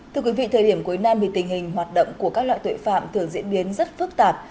thưa quý vị thời điểm cuối năm thì tình hình hoạt động của các loại tội phạm thường diễn biến rất phức tạp